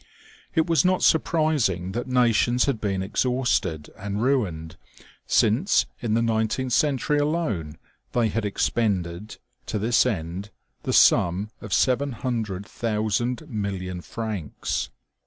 It was not surprising that nations had been exhausted and ruined, since in the nineteenth century alone they had expended, to this end, the sum of 700,000 million francs.